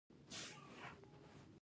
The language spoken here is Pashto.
که بندیزونه لرې شي ایران وده کوي.